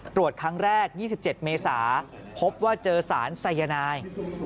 ตรวจครั้งแรก๒๗เมษาพบว่าเจอสารสายนาย